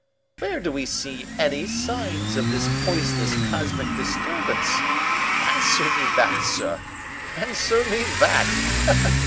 Where do we see any signs of this poisonous cosmic disturbance? Answer me that, sir! Answer me that!